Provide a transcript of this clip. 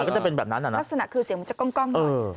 ใช่ภาษณะคือเสียงมันจะก้มหน่อย